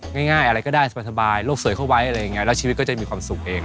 ง่ายอะไรก็ได้สบายโลกสวยเข้าไว้อะไรอย่างนี้แล้วชีวิตก็จะมีความสุขเอง